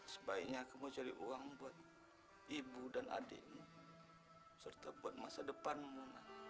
sebaiknya kamu cari uang buat ibu dan adikmu serta buat masa depanmu